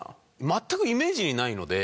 全くイメージにないので。